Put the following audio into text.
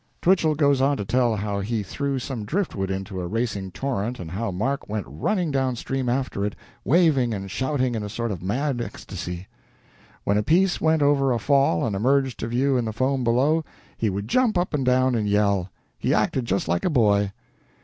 Twichell goes on to tell how he threw some driftwood into a racing torrent and how Mark went running down stream after it, waving and shouting in a sort of mad ecstasy. When a piece went over a fall and emerged to view in the foam below, he would jump up and down and yell. He acted just like a boy.